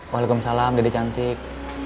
waalaikumsalam dede cantik